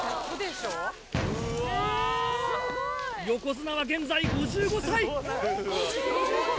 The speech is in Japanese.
横綱は現在５５歳！